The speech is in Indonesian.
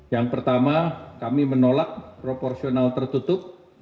yang pertama kami menolak proporsional tertutup